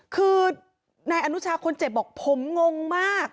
คือนายอนุชาคนเจ็บบอกผมงงมาก